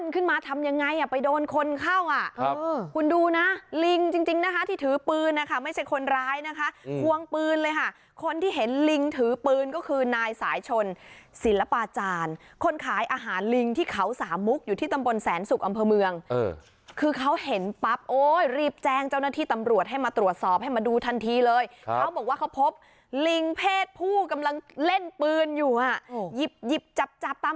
ขึ้นมาทำยังไงอ่ะไปโดนคนเข้าอ่ะคุณดูนะลิงจริงนะคะที่ถือปืนนะคะไม่ใช่คนร้ายนะคะควงปืนเลยค่ะคนที่เห็นลิงถือปืนก็คือนายสายชนศิลปาจารย์คนขายอาหารลิงที่เขาสามมุกอยู่ที่ตำบลแสนสุกอำเภอเมืองคือเขาเห็นปั๊บโอ้ยรีบแจ้งเจ้าหน้าที่ตำรวจให้มาตรวจสอบให้มาดูทันทีเลยครับเขาบอกว่าเขาพบลิงเพศผู้กำลังเล่นปืนอยู่อ่ะหยิบหยิบจับตาม